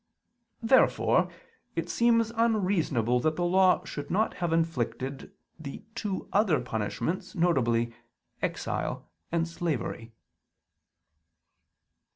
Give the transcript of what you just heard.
Therefore it seems unreasonable that the Law should not have inflicted the two other punishments, viz. "exile" and "slavery."